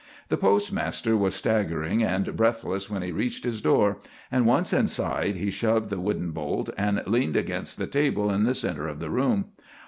The postmaster was staggering and breathless when he reached his door, and once inside, he shoved the wooden bolt, and leaned against the table in the center of the room.